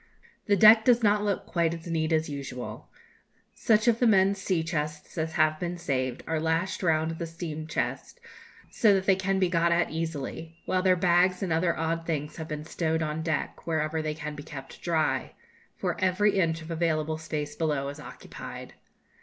The deck does not look quite as neat as usual. Such of the men's sea chests as have been saved are lashed round the steam chest, so that they can be got at easily, while their bags and other odd things have been stowed on deck, wherever they can be kept dry; for every inch of available space below is occupied.